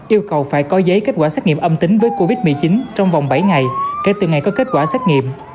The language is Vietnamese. yêu cầu phải có giấy kết quả xét nghiệm âm tính với covid một mươi chín trong vòng bảy ngày kể từ ngày có kết quả xét nghiệm